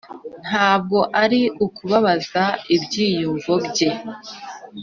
ntabwo ari ukubabaza ibyiyumvo bye);